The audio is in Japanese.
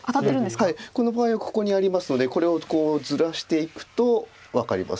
はいこの場合はここにありますのでこれをこうずらしていくと分かります。